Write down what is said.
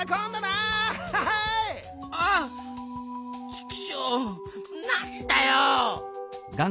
チクショーなんだよ！